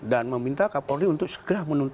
dan meminta kapolri untuk segera menuntut